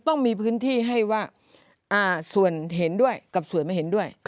ต้องมีพื้นที่ให้ว่าส่วนเห็นด้วยกับส่วนไม่เห็นด้วย